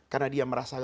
karena dia merasa letih